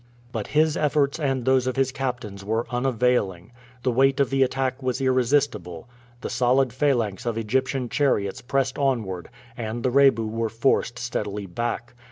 But his efforts and those of his captains were unavailing. The weight of the attack was irresistible. The solid phalanx of Egyptian chariots pressed onward, and the Rebu were forced steadily back.